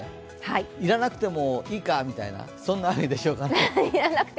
要らなくてもいいかみたいな雨でしょうか。